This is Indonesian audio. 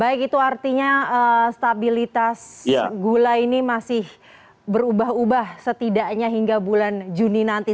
baik itu artinya stabilitas gula ini masih berubah ubah setidaknya hingga bulan juni nanti